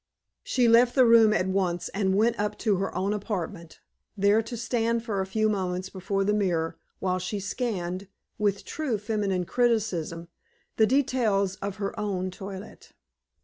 She left the room at once, and went up to her own apartment, there to stand for a few moments before the mirror, while she scanned, with true feminine criticism, the details of her own toilet.